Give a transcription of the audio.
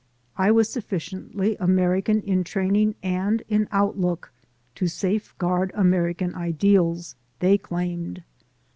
I was sufficiently American in training and in outlook to safeguard American ideals, they claimed.